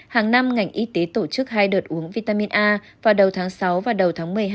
hàng năm ngành y tế tổ chức hai đợt uống vitamin a vào đầu tháng sáu và đầu tháng một mươi hai